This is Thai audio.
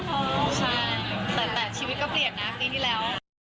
ใช่แต่ชีวิตก็เปลี่ยนนะปีที่แล้ว